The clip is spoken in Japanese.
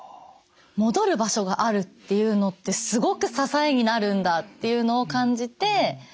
戻る場所があるっていうのってすごく支えになるんだっていうのを感じて